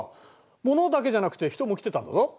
物だけじゃなくて人も来てたんだぞ。